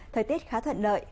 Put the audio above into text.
thời tiết khá thuận lợi